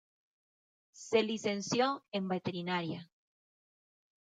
Se licenció en veterinaria.